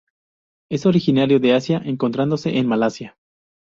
Es originario de Asia encontrándose en Malasia.